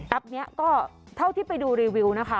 นี้ก็เท่าที่ไปดูรีวิวนะคะ